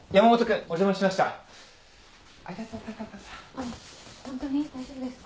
あっホントに大丈夫ですか？